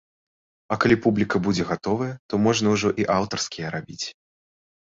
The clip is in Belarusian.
А калі публіка будзе гатовая, то можна ўжо і аўтарскія рабіць.